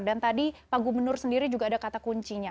dan tadi pak gubernur sendiri juga ada kata kuncinya